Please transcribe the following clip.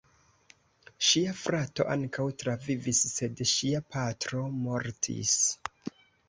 Ŝia frato ankaŭ travivis, sed ŝia patro mortis.